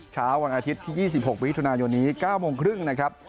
เช้าวันอาทิตย์ที่๒๖มิถุนายนนี้๙โมงครึ่งนะครับ